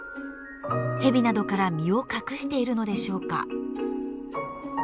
ヘビなどから身を隠しているのでしょうか。